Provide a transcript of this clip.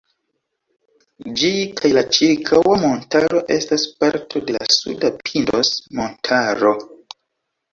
Ĝi kaj la ĉirkaŭa montaro estas parto de la suda "Pindos"-montaro.